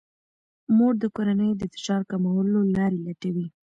مور د کورنۍ د فشار کمولو لارې لټوي.